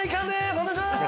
お願いします！